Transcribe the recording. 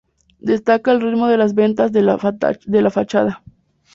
Destaca el ritmo de las ventanas de la fachada.